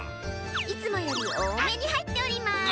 いつもよりおおめにはいっております！